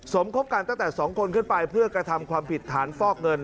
สมคบกันตั้งแต่๒คนขึ้นไปเพื่อกระทำความผิดฐานฟอกเงิน